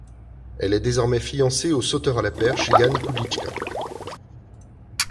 Elle est désormais fiancée au sauteur à la perche Jan Kudlička.